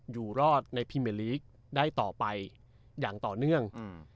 อยู่รอดในพรีเมอร์ลีกได้ต่อไปอย่างต่อเนื่อง